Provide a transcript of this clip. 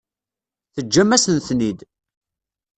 Teǧǧam-asen-ten-id.